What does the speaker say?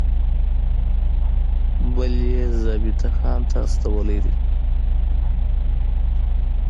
بل یې ضابطه خان ته استولی دی.